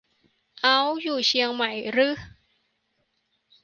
เอ้า อยู่เชียงใหม่รึ